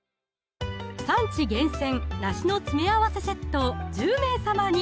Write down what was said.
「産地厳選梨の詰め合わせセット」を１０名様に！